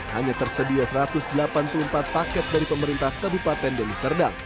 hanya tersedia satu ratus delapan puluh empat paket dari pemerintah kabupaten deli serdang